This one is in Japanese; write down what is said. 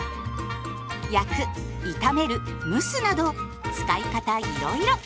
焼く炒める蒸すなど使い方いろいろ。